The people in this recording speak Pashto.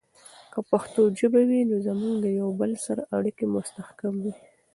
که پښتو ژبه وي، نو زموږ د یوه بل سره اړیکې مستحکم وي.